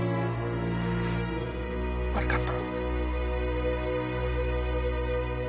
悪かった。